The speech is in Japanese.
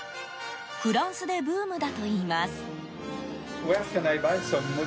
フランスでブームだといいます。